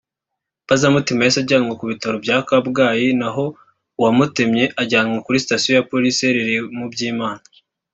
Mbazumutima yahise ajyanwa ku bitaro bya Kabgayi naho uwamutemye ajyanwa kuri sitasiyo ya polisi iherereye mu Byimana